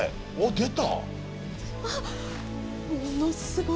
出た！